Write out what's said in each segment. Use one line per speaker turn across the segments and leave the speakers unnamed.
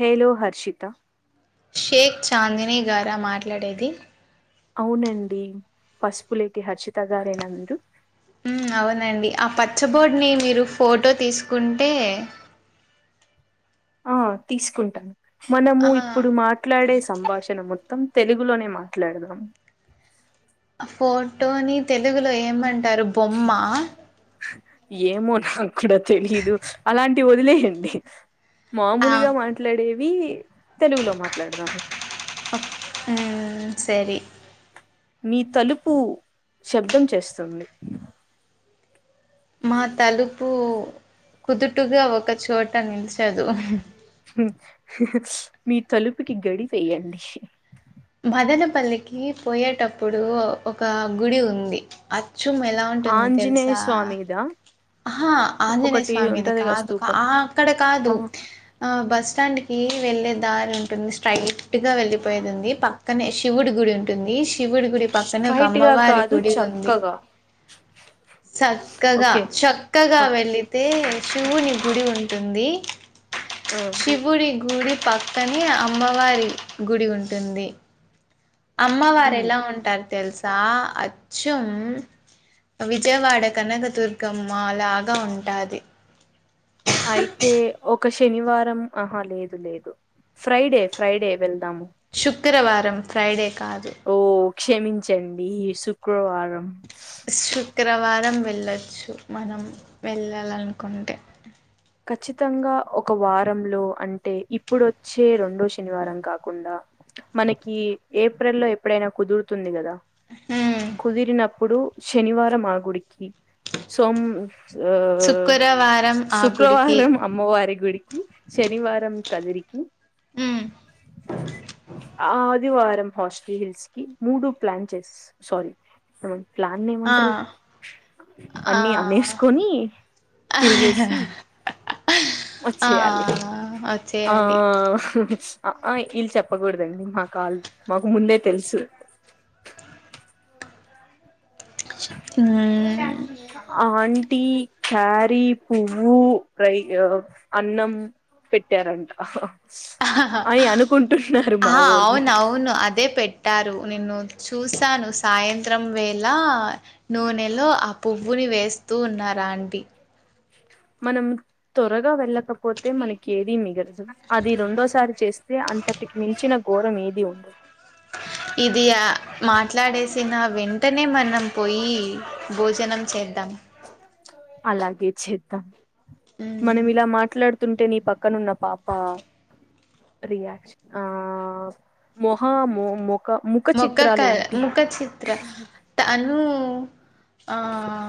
Hello Harshita
Shaik Chandini గార మాట్లాడేది
అవునండి పసుపులేటి హర్షిత గారెన మీరు
ఉమ్ అవునండి ఆ పచ్చ బోర్డిని మీరు ఫోటో తీసుకుంటే
ఆ తీసుకుంటాను మనము
ఆ
ఇప్పుడు మాట్లాడే సంభాషణ మొత్తం తెలుగులోనే మాట్లాడదాం
ఫోటోని తెలుగులో ఏమంన్ తరే బొమ్మ
ఏమో నాకు కూడా తెలీదు అలాంటివి వదిలేయండి మామూలుగా మాట్లాడేవి వి
ఉమ్ సరే
మీ తలుపు శబ్దం చేస్తుంది
మా తలుపు అప్పు కుదుటుగా ఒక చోట నిల్చదు
మీ తలుపుకి గడి వెయ్యండి
మదనపల్లికి పోయేటప్పుడు ఒక గుడి ఉంది చూమ్ము ఎలా ఉంటుంది
ఆంజనేయ
తెలుసా
స్వామిదా
ఆహా ఆంజనేయ
ఒకటి
స్వామిది
ఉంటది గా
కాదు
స్తూపం
అక్కడ కాదు
ఆ
ఆ బస్ స్టాండ్ కి వెళ్ళలే దారి ఉంటుంది స్ట్రైట్ గా వెళ్లిపోయేదింది పక్కనే శివుడి గుడి ఉంటుంది శివుడి గుడి పక్కనే ఒక
స్ట్రైట్ గా
అమ్మవారి
కాదు
గుడి ఉంది
చక్కగా
చక్కగా
ఓకే
చక్కగా
ఓక్
వెళితే శివుని గుడి ఉంటుంది
ఆ
శివుడి గుడి పక్కనే అమ్మవారి గుడి ఉంటుంది అమ్మ వారు
హ్మ్.
ఎలా ఉంటారు తెలుసు సా అచ్చం విజయవాడ కనకదుర్గమ్మ లాగా ఉంటాది
అయితే ఒక శనివారం ఆహా లేదు లేదు ఫ్రైడే ఫ్రైడే వెళ్
శుక్రవారం ఫ్రైడే కాదు
ఓ క్షమించండి శుక్రవారం
శుక్రవార రం వెళ్ళొచ్చు మనం వెళ్ళాలనుకుంటే
ఖచ్చితంగా ఒక వారంలో అంటే ఇప్పుడు వచ్చే రెండో శనివారం కాకుండా మనకి ఏప్రిల్లో ఎప్పుడైనా కుదురుతుంది కదా
మ్మ్
కుదిరినప్పుడు శనివారం ఆగుడికి సోమ్ ఆ
శుక్రవారం ఆ
సు
గుడికి
శుక్లవారం అమ్మవారికి గుడికి శనివారం కదిరికి
మ్మ్
ఆ ఆదివారం హాస్టల్ హిల్స్ కి మూడు ప్లాన్ చేయ్ సారీ ప్లాన్ని
ఆ
ఏమంటరు
ఆ
అన్ని అనేసుకొని తిరిగేసి
ఆ
వచ్చేయాలి
ఓ
ఆ అఆఇఈ లు చెప్పకూడదండి మా కాల్లు మాకు ముందే తెలుసు
మ్మ్
అవున్ టీ క్యారీ పువ్వు రై అన్నం పెట్టారంట అని అనుకుంటున్నారు మా
ఆ
వోళ్ళు
అవును అవును అదే పెట్టారు నిన్ను చూసాను సాయంత్రం వేళ నూనెలో ఆ పువ్వుని వేస్తూ ఉన్నారు ఆంటీ.
మనం త్వరగా వెళ్ళకపోతే మనకి ఏది. అది రెండోసారి చేస్తే అంతటికి మించిన ఘోరం ఏది ఉండదు.
ఇది ఆ, మాట్లాడేసిన వెంటనే మనం పోయి భోజనం చేద్దాం
అలాగే చేద్దాం మనం ఇలా మాట్లాడు తుంటే నీ పక్కనున్న పాప రియాన్ ఆ మొహా
ముఖ క ముఖ చిత్ర తనుూ ఆ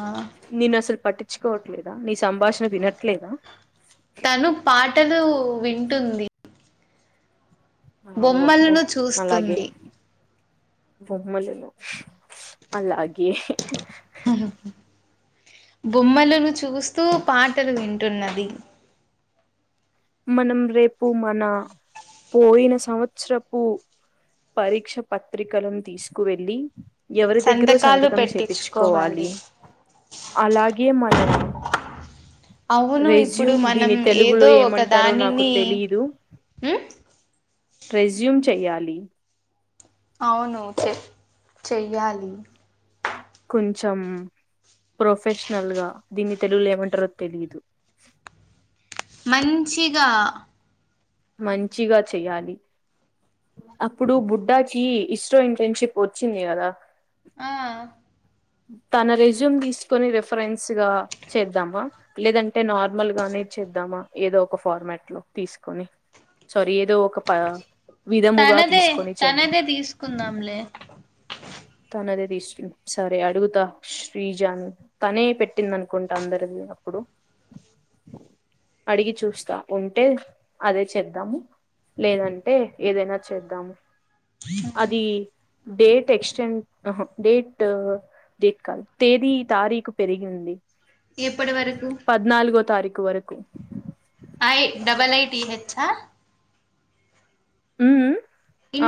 ఆ
పట్టించుకోవట్లేదు నీ సంభాషణ వినట్లేదా
తను పాటలు వింటుంది
ఆ, ఓ
బొమ్మలను చూస్తుంది
బొమ్మలును అలాగ కే
బొమ్మలులను చూస్తూ పాటలు వింటున్నది
మనం రేపు మన పోయిన సంవత్సరపు పరీక్ష పత్రికలను తీసుకువెళ్ళి ఎవరి దగ్గర
సంతకాలు
సంతకం
పెట్టించుకోవాలి
చేపించుకోవాలి అలాగే మన
అవును ఇప్పుడు
రెజ్యూమ్
మనం
దీని తెలుగులో
ఏదో ఒక
ఏమంటారో నాకు
దానిని
తెలీదు
ఉమ్
రెజ్యూమ్ చెయాలి
అవును చె చెయ్యాలి
కొంచెం ప్రొఫెషనల్ గా దీన్ని తెలుగులు ఏమంటారో తెలిదు
మంచిగా
మంచిగా చెయ్యాలి అప్పుడు బుడ్డాకి ఇస్రో ఇంటర్న్షిప్ వచ్చింది కదా
ఆ
తన రెజ్యూమ్ తీసుకొని రిఫరెన్స్ గా చేద్దామా లేదంటే నార్మల్ గానే చేద్దామా ఏదో ఒక ఫార్మాట్ లో తీసుకొని సారీ ఏదో ఒక ప విధముగా
తనదే
తీసుకొని చేద్దాం
తనదే తీసుకుందాంలే
తన అదే తీసు సరే అడుగుతా శ్రీజాన్ తనే పెట్టింది అనుకుంటా అందరిది అప్పుడు అడిగి చూస్తా ఉంటే అదే చేద్దాము లేదంటే ఏదైనా చేద్దాము
ఫీ [unintelligible]
డే టెక్ష్ షన్ అహ డేట్ డేట్ కాల్ తేదీ తారీఖు పెరిగింది
ఎప్పటి వరకు
పద్నాల్గో తారీక్ వరకు
I double I T H ఆ
ఉ ఊ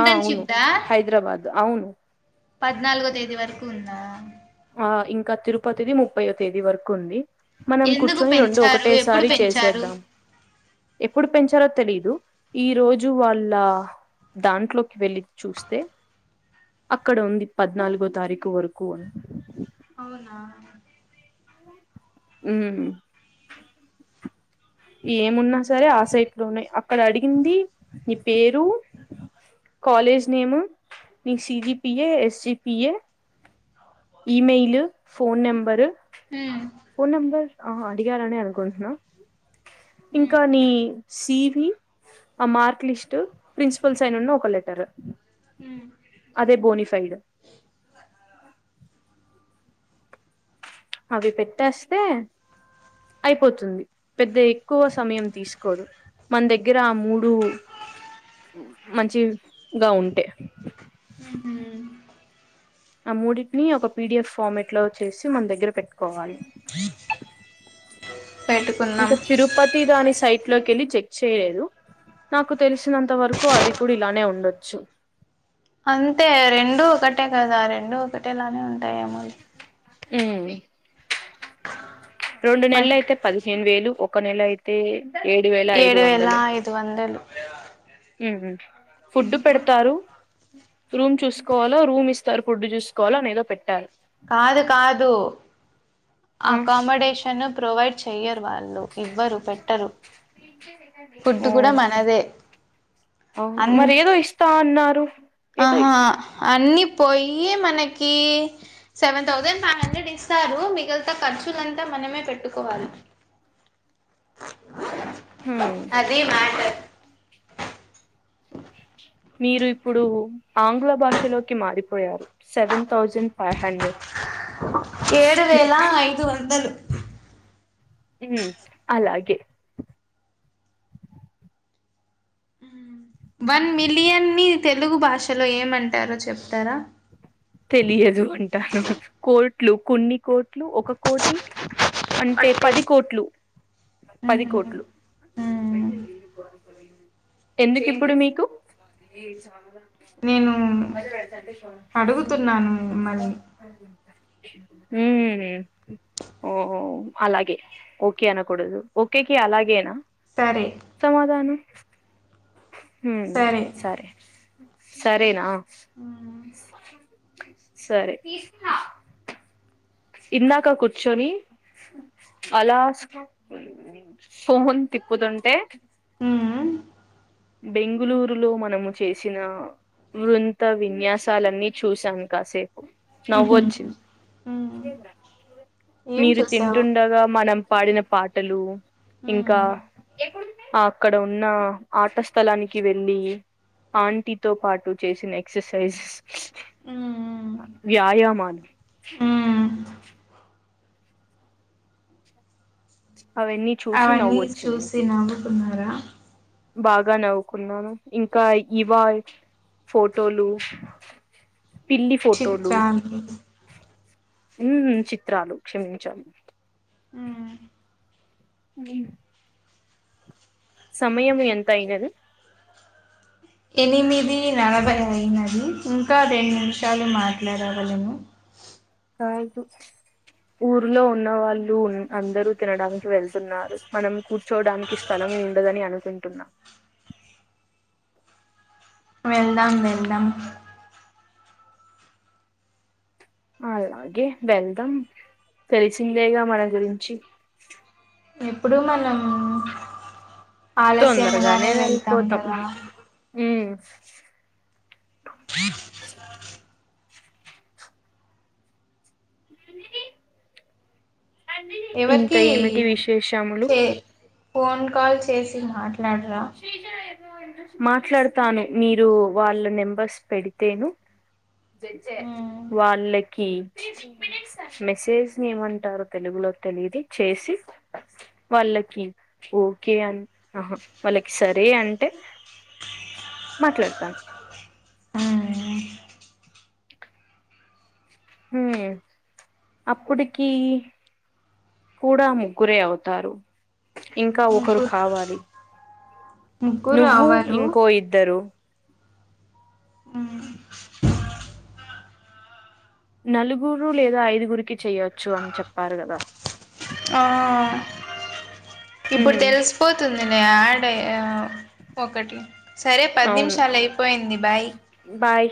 ఆ అవును
దా
హైదరాబాద్ అవును
పద్నాలుగో తేదీ వరకు ఉం నా
ఆ ఇంకా తిరుపతిది ముప్పై ఒ తేదీ వరకు ఉంది మనం
ఎందుకు
కూర్చొని రొండు
పెంచారు ఎప్పుడు
ఒకటేసారి
పెంచారు
చేసేద్దాం ఎప్పుడు పెంచారో తెలీదు ఈ రోజు వాళ్ళ దాంట్లోకి వెళ్ళి చూస్తే అక్కడ ఉంది పద్నాలుగో తారీఖు వరకు అని
అవునా
ఊ ఏమున్నా సరే ఆ సైట్లోనే అక్కడ అడిగింది నీ పేరు కాలేజ్ నేమ్ నీ CGPA SGPA email phone number
ఉమ్
ఫోన్ నెంబర్ ఆహ అడిగారనే అనుకుంటున్నా ఇంకా నీ సివి అమార్క్ లిస్ట్ ప్రిన్సిపల్ సైన్ ఉన్ను ఒక లెటరు అదే బోనిఫైడ్ అవి పెట్టేస్తే అయిపోతుంది పెద్ద ఎక్కువ సమయం తీసుకోరు మన దగ్గర ఆ మూడు మంచి గా ఉంటే
ఉహు
ఆ మూడిటిని ఒక పిడిఎఫ్ ఫార్మేట్ లో చేసి మన దగ్గర పెట్టుకోవాలి
పెట్టుకున్నాం
ఇక తిరుపతి దాని సైట్ లోకి ఎళ్ళి చెక్ చేయలేదు నాకు తెలిసినంత వరకు అది కూడా ఇలానే ఉండొచ్చు
అంతే రెండు ఒకటె కదా రె రెండు ఒకటేలానే ఉంటాయమో
ఊ
[unintelligible]
రొండు
మ
నెలయితే పదిహేను వేలు ఒక నెల అయితే ఏడు వేల ఐదు
ఏడు వేల ఐదు వందలు
ఉహు ఫుడ్డు పెడతారు. రూమ్ చూసుకోవాలో, రూమ్ ఇస్తారు ఫుడ్ చూసుకోవాలో, అని ఏదో పెట్టారు.
కాదు కాదు
ఆ
అకామడేషన్ ప్రొవైడ్ చెయరూ ఫుడ్ కూడా
[unintelligible] ఆ
మనదే
అ మరి
అం
ఏదో ఇస్తా అన్నారు. ఏదో
ఆహా అన్ని పోయి మనకి సెవెన్ థౌసండ్, ఫైవ్ హండ్రెడ్ ఇస్తారు మిగా తా ఖర్చులంతా మనమే పెట్టు కోవాలి
ఉమ్
అది మ్యాటర్
మీరు ఇప్పుడు ఆంగ్ల భాషలోకి మారిపోయారు. సెవెన్ థౌజండ్ ఫైవ్ హండ్రెడ్
ఏడు వేల ఐదు వందలు.
ఉ అలాగే
ఊ వన్ మిలియన్ని తెలుగు భాషలో ఏమంటారో చెప్తారా?
తెలియదు అంటాను కోట్లు కొన్ని కోట్లు ఒక కోటి అంటే పది కోట్లు, పది
ఉహు
కోట్లు
ఉమ్
ఎందుకు ఇప్పుడు మీకు
నేను
[inaudible]
అడుగుతున్నాను మిమ్మల్ని
ఊ ఓ అలాగే ఓకే అనకూడదు ఓకేకి అలాగేనా
సరే
సమాధానం [inaudible] ఊ సరే సరేనా
ఆ
సరే తీస్తా ఇందాక కూర్చొని అలా స్పూన్ తిప్పుతుంటే
హమ్
బెంగళూరులో మనము చేసిన వృంత విన్యాసాలన్నీ చూసాము కాసేపు. నవ్వు
ఉహు
వచ్చింది.
ఉమ్ ఏం
మీరు
చూసావు
తింటుండగా మనం పాడిన పాటలు ఇంకా
ఉమ్
అక్కడ ఉన్నా ఆట స్థలానికి వెళ్ళి ఆంటీతో పాటు చేసిన ఎక్సర్సైజ్స్
ఉమ్
వ్యాయామాలు
ఉమ్
అవన్నీ చూసి
అవన్నీ
నవ్వొచ్చింది
చూసినావు కున్నర
బాగా నవ్వుకున్నాను ఇంకా ఇవా ఫోటోలు పిల్లి ఫోటోలు
చిత్రాలు
ఉహు చిత్రాలు క్షమించాలి
ఊ
గీ సమయము ఎంతయినది
ఎనిమిది నలభై అయినది ఇంకా రెండు నిమిషాలు మాట్లాడగలను
కాదు ఊర్లో ఉన్న వాళ్ళు అందరూ తినడానికి వెళ్తున్నారు మనం కూర్చోడానికి స్థలము ఉండదని అనుకు టున్నా
వెళ్దాం వెళ్దాం
అలాగే వెళ్దాం తెలిసిందేగా మన గురించి
ఇప్పుడు మనం
తొందరగానే
ఆలస్యముగానే వెళ్తాం
వెళ్ళిపోతాం
కదా
శీత మ ఇంకా
ఎవరికి
ఏమిటి విశేషములు
చే ఫోన్ కాల్ చేసి మాట్ల నడ్రా
మాట్లాడతాను మీరు వాళ్ళ నెంబర్స్ పెడితేను
మ్మ్
వాళ్ళ కి మెసేజ్ ని ఏమంటారు తెలుగులో తెలిది చేసి వాళ్ళకి ఓకే అన్ ఆహా వాళ్ళకి సరే అంటే మాట్లాడతాను
ఆ
హ అప్పుడికి కూడా ముగ్గురే అవుతారు ఇంకా ఒకరు
ముగ్గురు
కావాలి
ముగ్గురు
నువ్వు
అవరు
ఇంకో ఇద్దరు
ఉమ్
నలుగురు లేదా ఐదుగురికి చెయొచ్చు అని చెప్పారు గదా
ఆ ఇప్పుడు
ఉమ్
తెలిసిపోతుంది ఇ ఆడ ఒకటి సరే పది
అవును
నిమిషాలు అయిపోయింది బాయ్
బాయ్